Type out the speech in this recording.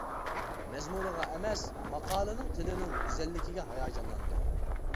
مەزمۇنىغا ئەمەس، ماقالىنىڭ تىلىنىڭ گۈزەللىكىگە ھاياجانلاندىم.